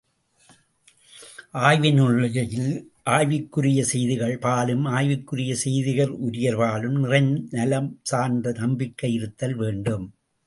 ஆய்வு நிலையில் ஆய்வுக்குரிய செய்திகள் பாலும் ஆய்வுக்குரிய செய்திக்குரியர்பாலும் நிறை நலம் சார்ந்த நம்பிக்கை இருத்தல் வேண்டும்.